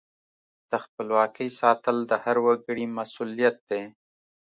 د خپلواکۍ ساتل د هر وګړي مسؤلیت دی.